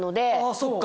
そっか。